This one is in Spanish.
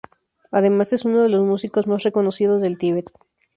Además es uno de los músicos más reconocidos del Tibet.